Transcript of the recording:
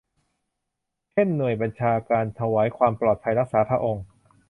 เช่น หน่วยบัญชาการถวายความปลอดภัยรักษาพระองค์